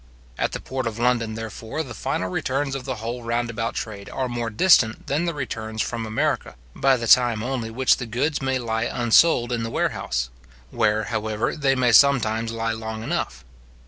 At the port of London, therefore, the final returns of the whole round about trade are more distant than the returns from America, by the time only which the goods may lie unsold in the warehouse; where, however, they may sometimes lie long enough.